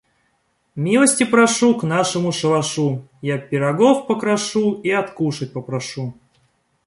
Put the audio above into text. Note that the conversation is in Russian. Милости прошу к нашему шалашу: я пирогов покрошу и откушать попрошу.